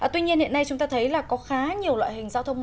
tuy nhiên hiện nay chúng ta thấy là có khá nhiều loại hình giao thông